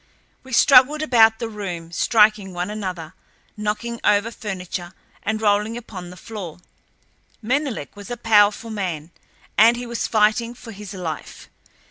We struggled about the room, striking one another, knocking over furniture, and rolling upon the floor. Menelek was a powerful man, and he was fighting for his life.